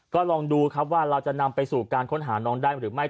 ก็ลองดูครับว่าเราจะนำไปสู่การค้นหาน้องได้หรือไม่